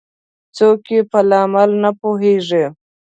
څوک یې په لامل نه پوهیږي